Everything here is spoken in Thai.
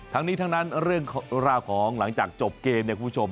ทั้งนี้ทั้งนั้นเรื่องราวของหลังจากจบเกมเนี่ยคุณผู้ชม